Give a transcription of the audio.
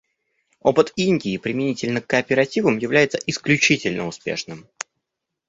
Опыт Индии применительно к кооперативам является исключительно успешным.